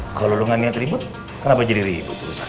kalo lo gak niat ribut kenapa jadi ribut